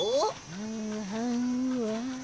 はんはんわ。